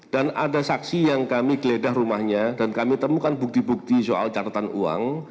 dan ada saksi yang kami geledah rumahnya dan kami temukan bukti bukti soal catatan uang